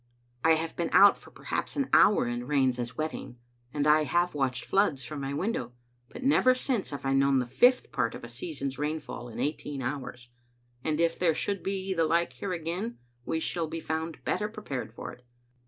I have been out for perhaps an hour in rains as wetting, and I have watched floods from my window, but never since have I known the fifth part of Digitized by VjOOQ IC Second ^outnei^ to (Tbtumd* 8ii a season's rainfall in eighteen hours; and if there should be the like here again, we shall be found bet ter prepared for it.